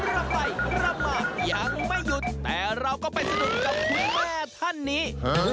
รำไปรำมายังไม่หยุดแต่เราก็ไปสนุกกับคุณแม่ท่านนี้